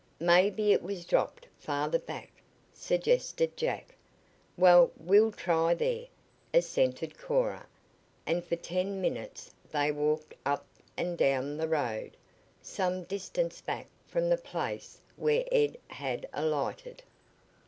"Maybe it was dropped farther back," suggested Jack. "Well, we'll try there," assented Cora, and for ten minutes they walked up and down the road, some distance back from the place where Ed had alighted.